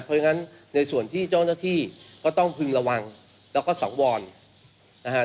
เพราะฉะนั้นในส่วนที่เจ้าหน้าที่ก็ต้องพึงระวังแล้วก็สังวรนะฮะ